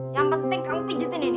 yang penting kamu pijatin ini